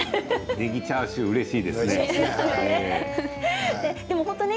ねぎチャーシューうれしいですね。